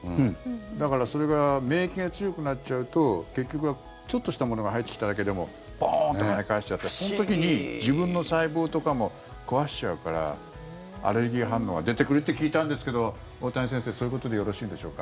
だから、それが免疫が強くなっちゃうと結局は、ちょっとしたものが入ってきただけでもボーンと跳ね返しちゃってその時に自分の細胞とかも壊しちゃうからアレルギー反応が出てくるって聞いたんですけど大谷先生、そういうことでよろしいでしょうか？